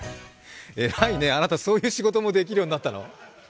偉いね、あなた、そういう仕事もできるようになったの？